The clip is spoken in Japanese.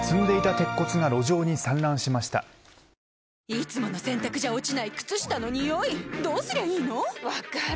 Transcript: いつもの洗たくじゃ落ちない靴下のニオイどうすりゃいいの⁉分かる。